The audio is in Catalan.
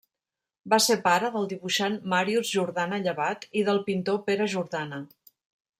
Va ser pare del dibuixant Màrius Jordana Llevat i del pintor Pere Jordana.